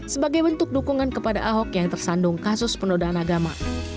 sebagai bentuk dukungan kepada ahok yang tersandung kasus penodaan agama